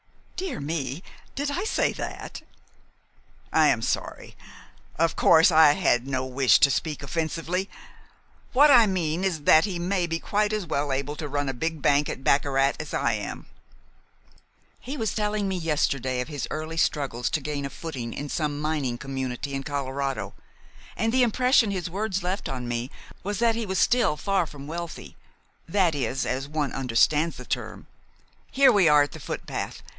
"Dear me! Did I say that?" "I am sorry. Of course, I had no wish to speak offensively. What I mean is that he may be quite as well able to run a big bank at baccarat as I am." "He was telling me yesterday of his early struggles to gain a footing in some mining community in Colorado, and the impression his words left on me was that he is still far from wealthy; that is, as one understands the term. Here we are at the footpath.